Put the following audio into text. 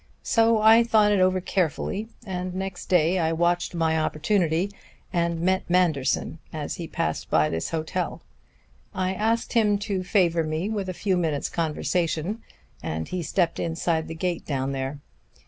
So I thought it over carefully, and next day I watched my opportunity and met Manderson as he passed by this hotel. I asked him to favor me with a few minutes' conversation, and he stepped inside the gate down there.